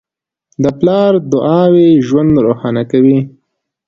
د پلار دعاوې ژوند روښانه کوي.